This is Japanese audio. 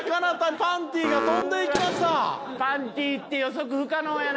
パンティって予測不可能やな。